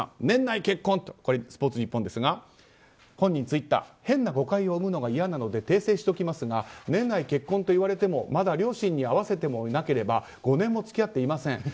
年内結婚スポーツニッポンですが本人ツイッター変な誤解を生むのが嫌なので訂正しときますが年内結婚といわれてもまだ両親に会わせてもいなければ５年も付き合っていません。